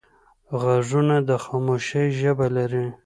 غوږونه د خاموشۍ ژبه لري